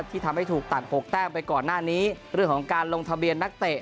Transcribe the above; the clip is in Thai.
ที่ทำให้ถูกตัด๖แต้มไปก่อนหน้านี้เรื่องของการลงทะเบียนนักเตะ